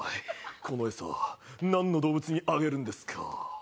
このエサなんの動物にあげるんですか？